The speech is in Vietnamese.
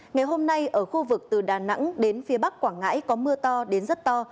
ngày hôm nay ở khu vực từ đà nẵng đến phía bắc quảng ngãi có mưa to đến rất to